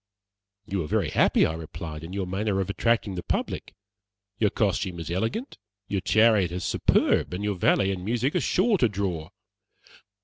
"You are very happy," I replied, "in your manner of attracting the public. Your costume is elegant, your chariot is superb, and your valet and music are sure to draw."